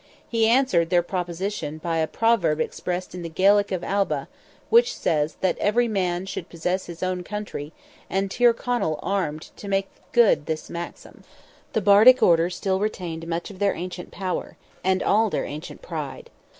He answered their proposition by a proverb expressed in the Gaelic of Alba, which says that "every man should possess his own country," and Tyrconnell armed to make good this maxim. The Bardic order still retained much of their ancient power, and all their ancient pride.